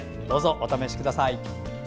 どうぞお試しください。